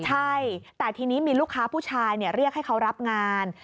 ใช่แต่ทีนี้มีลูกค้าผู้ชายเรียกให้เขารับงาน